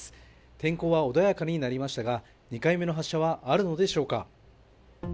天候は穏やかになりましたが、２回目の発射はあるのでしょうか。